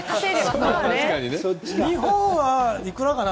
日本はいくらかな？